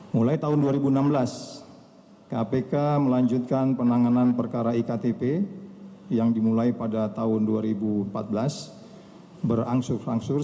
selama empat tahun terakhir ada enam ratus delapan tersangka yang kami tangani dalam berbagai modus perkara